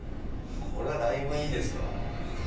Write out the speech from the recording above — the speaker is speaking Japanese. これはだいぶいいですよ。